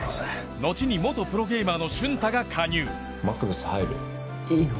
後に元プロゲーマーの瞬太が加入マクベス入る？いいの？